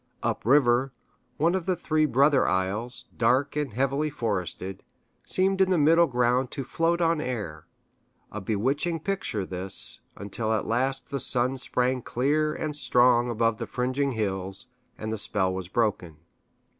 Up river, one of the Three Brothers isles, dark and heavily forested, seemed in the middle ground to float on air. A bewitching picture this, until at last the sun sprang clear and strong above the fringing hills, and the spell was broken.